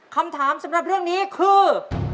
คำถามสำหรับเรื่องนี้คือ